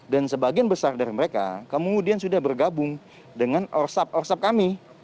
dan sebagian besar dari mereka kemudian sudah bergabung dengan orsap orsap kami